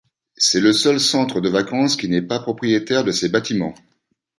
C'est le seul centre de vacances qui n'est pas propriétaire de ses bâtiments.